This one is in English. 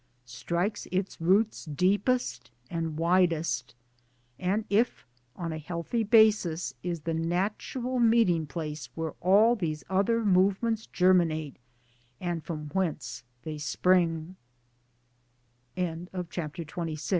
strikes its roots deepest and widest, and if on a healthy basis is the natural meeting place where all these other movements germinate and from whence they